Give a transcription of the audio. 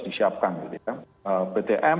disiapkan gitu ya bdm